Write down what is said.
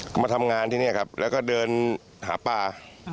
เขามาทำงานที่นี่ครับแล้วก็เดินหาปลา